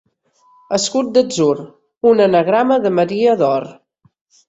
Escut d'atzur, un anagrama de Maria d'or.